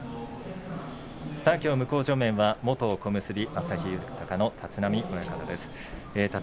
きょう向正面は元小結旭豊の立浪親方です。